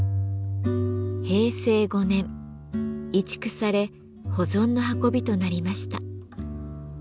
平成５年移築され保存の運びとなりました。